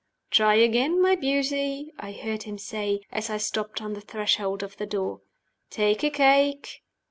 "Try again, my beauty!" I heard him say, as I stopped on the threshold of the door. "Take a cake."